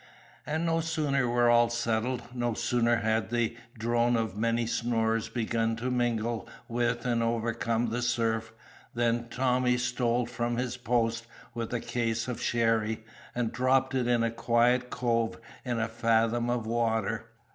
And no sooner were all settled, no sooner had the drone of many snorers begun to mingle with and overcome the surf, than Tommy stole from his post with the case of sherry, and dropped it in a quiet cove in a fathom of water.